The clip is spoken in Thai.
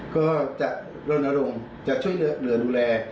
ก็จะรณรงค์จะช่วยเหลือดูแล